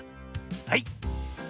はい。